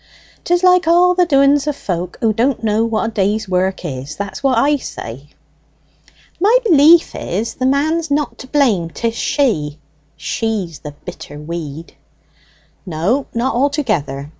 "'Tis like all the doings of folk who don't know what a day's work is, that's what I say." "My belief is the man's not to blame; 'tis she she's the bitter weed!" "No, not altogether.